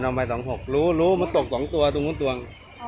คนเอาไปสองหกรู้รู้มันตกสองตัวตรงอุ้นตรงอ๋อ